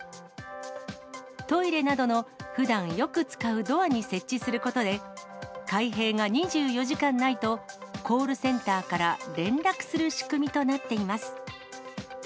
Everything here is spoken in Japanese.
トイレなどの、ふだんよく使うドアに設置することで、開閉が２４時間ないと、コールセンターから連絡する仕組みとなっています。